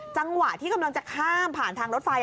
จังหวะที่กำลังจะข้ามผ่านทางรถไฟ